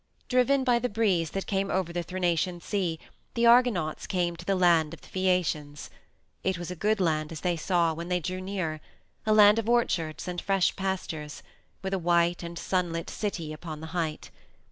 Driven by the breeze that came over the Thrinacian Sea the Argonauts came to the land of the Phaeacians. It was a good land as they saw when they drew near; a land of orchards and fresh pastures, with a white and sun lit city upon the height.